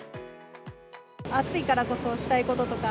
暑いからこそしたいこととか。